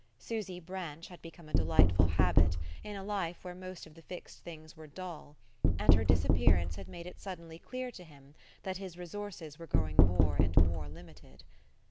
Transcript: Susy Branch had become a delightful habit in a life where most of the fixed things were dull, and her disappearance had made it suddenly clear to him that his resources were growing more and more limited.